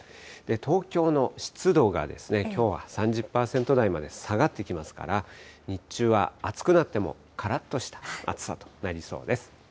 東京の湿度がきょうは３０％台まで下がってきますから、日中は暑くなってもからっとした暑さとなりそうです。